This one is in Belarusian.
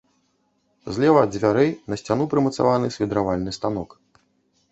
Злева ад дзвярэй на сцяну прымацаваны свідравальны станок.